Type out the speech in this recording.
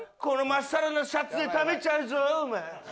このまっさらなシャツで食べちゃうぞお前。